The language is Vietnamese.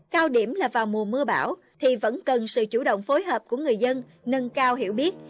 cao điểm là vào mùa mưa bão thì vẫn cần sự chủ động phối hợp của người dân nâng cao hiểu biết